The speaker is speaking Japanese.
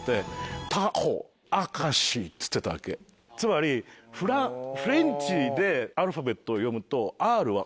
つまりフレンチでアルファベットを読むと。